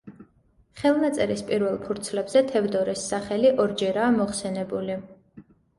ხელნაწერის პირველ ფურცლებზე თევდორეს სახელი ორჯერაა მოხსენებული.